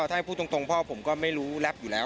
ถ้าพูดตรงพ่อผมก็ไม่รู้แรปอยู่แล้ว